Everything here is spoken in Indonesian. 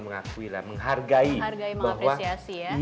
menghargai mengapresiasi ya